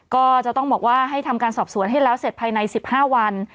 ก็จะต้องบอกว่าให้ทำการสอบสวนให้แล้วเสร็จภายใน๑๕วัน